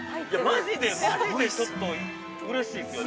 ◆マジで、マジでちょっとうれしいですよね。